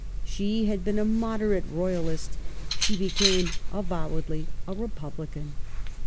She had been a moderate royalist; she became avowedly a republican.